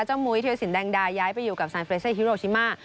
เจ้ามุยเทียวสินแดงดาย้ายไปอยู่กับฮิโรชิมา